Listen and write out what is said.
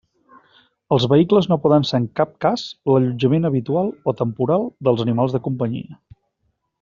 Els vehicles no poden ser en cap cas l'allotjament habitual o temporal dels animals de companyia.